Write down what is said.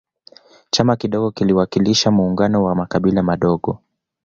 chama kidogo kiliwakilisha muungano wa makabila madogo